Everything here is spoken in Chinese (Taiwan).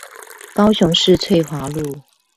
高雄市翠華路